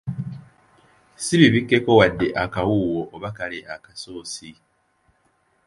Si bibikkeko wadde akawuuwo oba kale akasoosi.